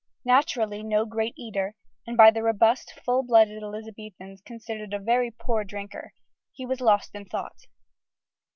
Naturally no great eater, and by the robust, full blooded Elizabethans considered a very poor drinker, he was lost in thought.